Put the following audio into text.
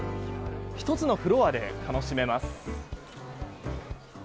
１つのフロアで楽しめます。